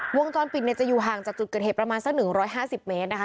วงจอลปิดจะอยู่ห่างจากจุดเกิดเหตุประมาณสักหนึ่งร้อยห้าสิบเมตรนะคะ